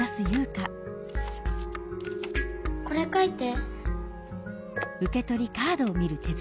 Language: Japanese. これ書いて。